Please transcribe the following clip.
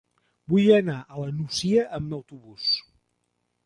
Vull anar a la Nucia amb autobús.